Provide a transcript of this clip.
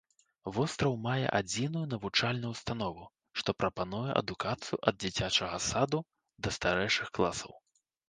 Востраў мае адзіную навучальную ўстанову, што прапануе адукацыю ад дзіцячага саду да старэйшых класаў.